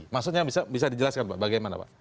maksudnya bisa dijelaskan pak bagaimana pak